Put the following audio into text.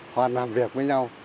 hoặc làm việc với nhau